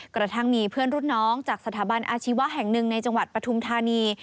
กระทั่งมีเพื่อนรุ่นน้องจากสถาบันอาชีวะแห่งหนึ่งในจังหวัดปฐุมธานี